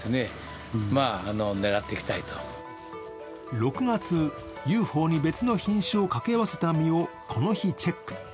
６月、雄宝に別の品種をかけ合わせた実をこの日チェック。